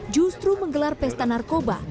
justru menggelar pesta narkoba